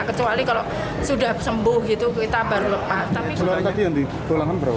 kecuali kalau sudah sembuh kita baru lepas